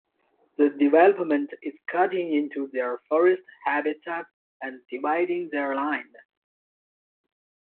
The development is cutting into their forest habitat and dividing their land.